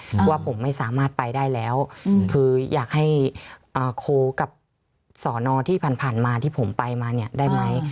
เพราะว่าผมไม่สามารถไปได้แล้วอืมคืออยากให้อ่าโคกับสอนอที่ผ่านมาที่ผมไปมาเนี่ยได้ไหม